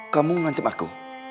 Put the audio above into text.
kamu mengancam aku